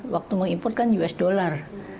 waktu mengimpor kan us dollar